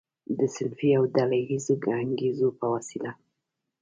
د صنفي او ډله ییزو انګیزو په وسیله.